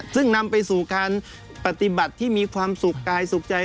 ซึ่งนำไปสู่การปฏิบัติที่มีความสุขกายสุขใจ